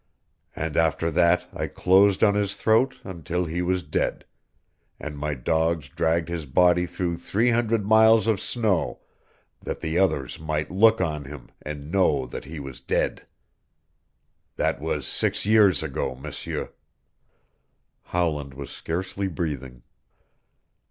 And after that I closed on his throat until he was dead, and my dogs dragged his body through three hundred miles of snow that the others might look on him and know that he was dead. That was six years ago, M'seur." Howland was scarcely breathing.